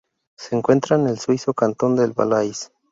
Se encuentra en el suizo cantón del Valais.